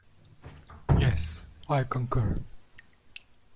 Yes, I concur.